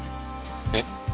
えっ？